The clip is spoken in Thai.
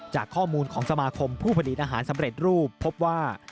จากข้อมูลของสมาคมผู้ผลิตอาหารสำเร็จรูปพบว่า